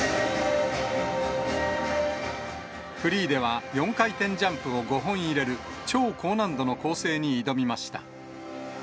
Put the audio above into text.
フリーでは４回転ジャンプを５本入れる、超高難度の構成に挑みました。